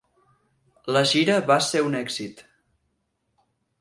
La gira va ser un èxit.